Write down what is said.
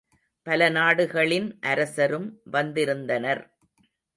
பல நாடுகளின் அரசரும் வந்திருந்தனர்.